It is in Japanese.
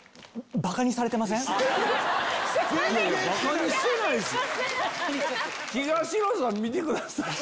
バカにしてないっすよ。